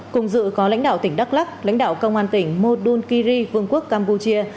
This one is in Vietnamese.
cùng dự có lãnh đạo tỉnh đắk lắk lãnh đạo công an tỉnh mô đun kỳ ri vương quốc campuchia